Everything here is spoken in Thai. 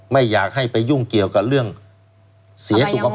ไม่อยากให้ไปยุ่งเกี่ยวกับเรื่องเสียสุขภาพ